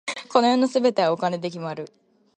この世の全てはお金で決まる。